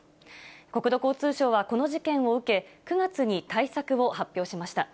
国土交通省はこの事件を受け、９月に対策を発表しました。